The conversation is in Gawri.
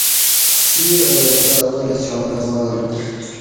سِیر ارو دہ اولہ چھاں لٞماٞر ہُو